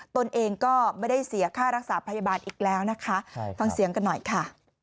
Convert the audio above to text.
ตนเองก็ไม่ได้เสียค่ารักษาพยาบาลอีกแล้วนะคะฟังเสียงกันหน่อยค่ะ